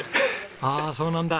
ああそうなんだ。